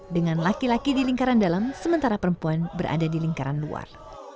dengan laki laki di lingkaran dalam sementara perempuan berada di lingkaran luar